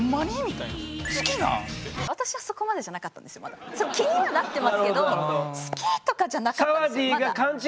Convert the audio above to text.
あかんもう気にはなってますけど好き！とかじゃなかったんですよ。